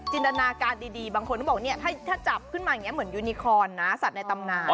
จินดนนาการดีบางคนต้องบอกถ้าจับขึ้นมาอย่างเงี่ยเหมือนยูนิคอร์นสัตว์ในตำนาน